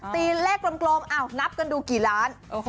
ตีนเลขกลมนับกันดูกี่ล้าน